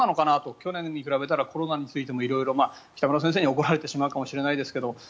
去年に比べたらコロナについても色々北村先生に怒られるかもしれないけど